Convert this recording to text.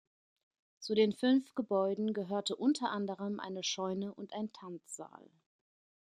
Zu den fünf Gebäuden gehörte unter anderem eine Scheune und ein Tanzsaal.